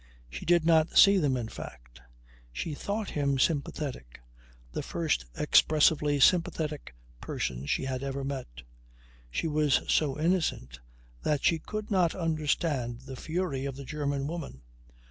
She did not see them, in fact. She thought him sympathetic the first expressively sympathetic person she had ever met. She was so innocent that she could not understand the fury of the German woman.